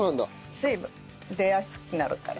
水分出やすくなるから。